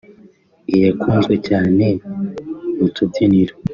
iyakunzwe cyane mu tubyiniro